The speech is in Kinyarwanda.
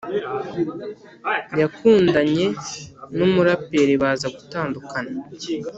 . Yakundanye n’umuraperi baza gutandukana